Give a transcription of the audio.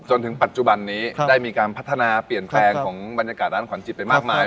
จนถึงปัจจุบันนี้ได้มีการพัฒนาเปลี่ยนแปลงของบรรยากาศร้านขวัญจิตไปมากมาย